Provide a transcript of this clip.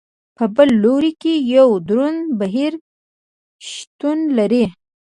په بل لوري کې یو دروند بهیر شتون لري.